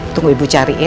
tunggu ibu carinya